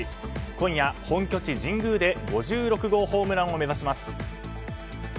今夜、本拠地・神宮で５６号ホームランを目指します。